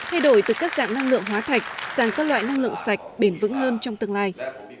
thay đổi từ các dạng năng lượng hóa thạch sang các loại năng lượng sạch bền vững hơn trong tương lai